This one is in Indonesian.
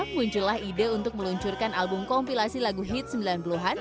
muncullah ide untuk meluncurkan album kompilasi lagu hit sembilan puluh an